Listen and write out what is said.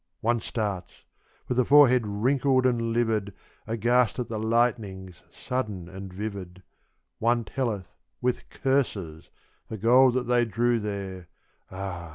One starts, with a forehead wrinkled and livid, Aghast at the lightnings sudden and vivid; One telleth, with curses, the gold that they drew there (Ah!